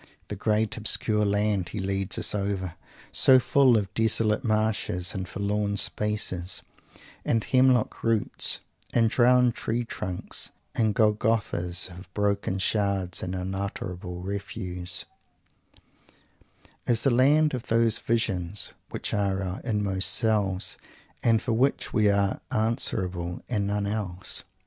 The great obscure Land he leads us over, so full of desolate marshes, and forlorn spaces, and hemlock roots, and drowned tree trunks, and Golgothas of broken shards and unutterable refuse, is the Land of those visions which are our inmost selves, and for which we are answerable and none else.